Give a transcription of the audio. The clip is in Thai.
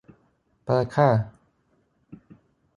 เปิดค่ะ